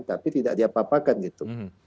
tapi tidak diapapakan gitu